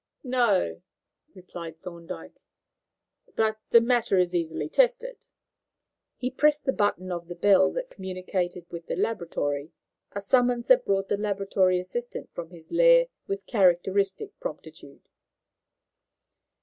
"No," replied Thorndyke; "but the matter is easily tested." He pressed the button of the bell that communicated with the laboratory, a summons that brought the laboratory assistant from his lair with characteristic promptitude.